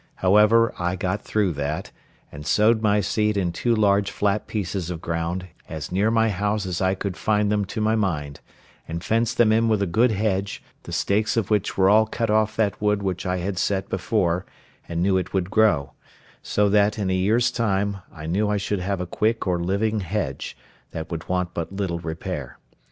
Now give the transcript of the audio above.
However, I got through that, and sowed my seed in two large flat pieces of ground, as near my house as I could find them to my mind, and fenced them in with a good hedge, the stakes of which were all cut off that wood which I had set before, and knew it would grow; so that, in a year's time, I knew I should have a quick or living hedge, that would want but little repair.